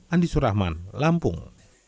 andi surahman lampung